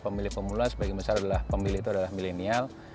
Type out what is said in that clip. pemilih pemuluhan sebagai pemilih itu adalah milenial